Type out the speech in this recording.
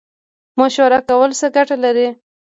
مشوره کول څه ګټه لري؟